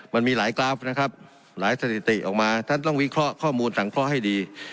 มันมีหลายกราฟนะครับหลายสถิติออกมาท่านต้องวิเคราะห์ข้อมูลสังเคราะห์ให้ดี